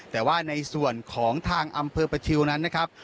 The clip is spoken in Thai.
แต่ว่าในส่วนของทางอำเภอประชิวนั้นนะครับ